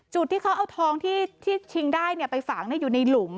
จุดที่เขาเอาทองที่ชิงได้ไปฝังอยู่ในหลุม